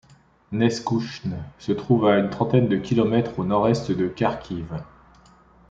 Neskoutchne se trouve à une trentaine de kilomètres au nord-est de Kharkiv.